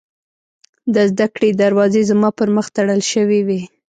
د زدکړې دروازې زما پر مخ تړل شوې وې